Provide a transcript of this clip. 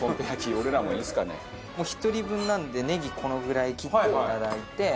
もう１人分なのでネギこのぐらい切っていただいて。